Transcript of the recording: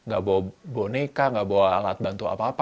gak bawa boneka gak bawa alat bantu apa apa